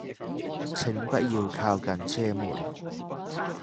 請不要靠近車門